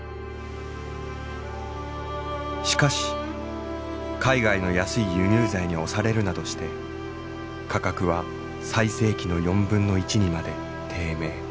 しかし海外の安い輸入材に押されるなどして価格は最盛期の４分の１にまで低迷。